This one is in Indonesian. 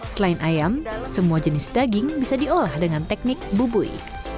selain ayam semua jenis daging bisa diolah dengan teknik bubui